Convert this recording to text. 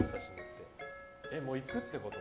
もういくってこと？